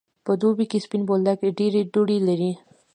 په دوبی کی سپین بولدک ډیری دوړی لری.